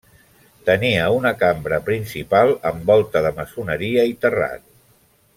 Tenia una cambra principal amb volta de maçoneria i terrat.